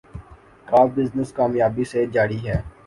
کا بزنس کامیابی سے جاری ہے